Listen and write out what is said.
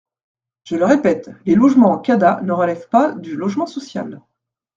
Je le répète : les logements en CADA ne relèvent pas du logement social.